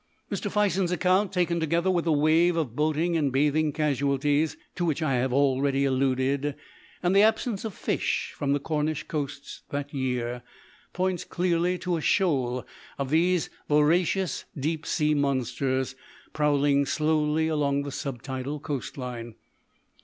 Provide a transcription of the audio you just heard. Mr. Fison's account, taken together with the wave of boating and bathing casualties to which I have already alluded, and the absence of fish from the Cornish coasts that year, points clearly to a shoal of these voracious deep sea monsters prowling slowly along the sub tidal coastline.